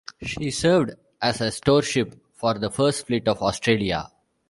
She served as a storeship for the First Fleet to Australia.